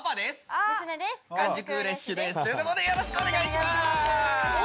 ということでよろしくお願いします。